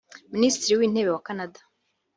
Minisitiri w’Intebe wa Canada